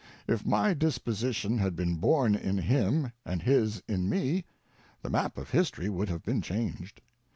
If my disposition had been born in him and his in me, the map of history would have been changed.